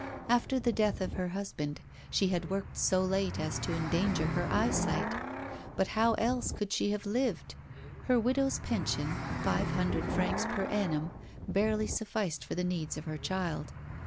After the death of her husband, she had worked so late as to endanger her eyesight. But how else could she have lived? Her widow's pension five hundred francs per annum barely sufficed for the needs of her child.